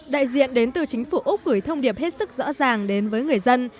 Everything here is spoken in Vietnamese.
đại diện đến từ chính phủ úc gửi thông điệp hết sức rõ ràng đến với người dân